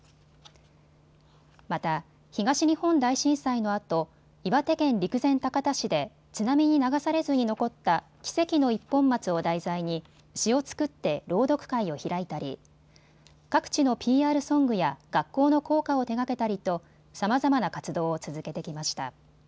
また東日本大震災のあと岩手県陸前高田市で津波に流されずに残った奇跡の一本松を題材に詩を作って朗読会を開いたり各地のＰＲソングや学校の校歌を手がけたりとさまざまな活動を続けてきました。